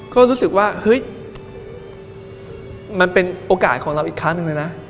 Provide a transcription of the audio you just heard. ก็รู้สึกว่าเฮ้ยมันเป็นโอกาสของเราอีกครั้งหนึ่งเลยนะ